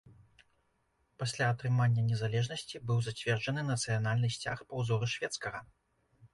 Пасля атрымання незалежнасці быў зацверджаны нацыянальны сцяг па ўзоры шведскага.